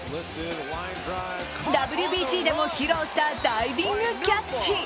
ＷＢＣでも披露したダイビングキャッチ。